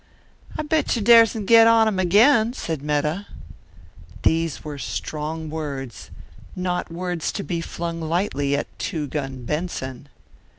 "I bet you daresn't get on him again," said Metta. These were strong words; not words to be flung lightly at Two Gun Benson.